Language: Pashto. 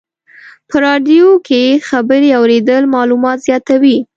په رادیو کې خبرې اورېدل معلومات زیاتوي.